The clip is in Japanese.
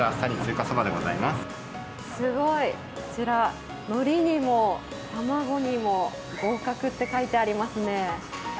すごい、こちら、のりにも卵にも合格って書いてありますね。